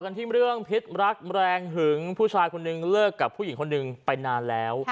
ที่เรื่องพิษรักแรงหึงผู้ชายคนนึงเลิกกับผู้หญิงคนหนึ่งไปนานแล้ว